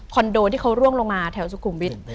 คอนโดที่เขาร่วงลงมาแถวจุขุมบิน